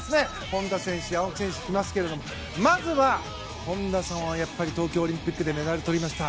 本多選手、青木選手がきますけどもまず、本多さんは東京オリンピックでメダルをとりました。